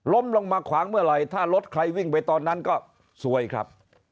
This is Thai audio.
ลงมาขวางเมื่อไหร่ถ้ารถใครวิ่งไปตอนนั้นก็ซวยครับ